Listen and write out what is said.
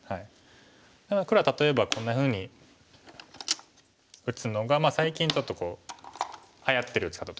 黒は例えばこんなふうに打つのが最近ちょっとはやってる打ち方と。